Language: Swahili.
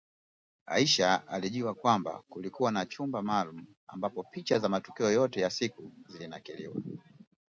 Aisha alijua kwamba, kulikuwa na chumba maalum, ambapo picha za matukio yote ya siku zilinakiliwa